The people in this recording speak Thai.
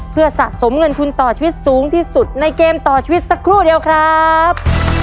เพื่อสะสมเงินทุนต่อชีวิตสูงที่สุดในเกมต่อชีวิตสักครู่เดียวครับ